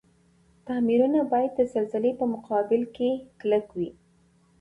تعميرونه باید د زلزلي په مقابل کي کلک وی.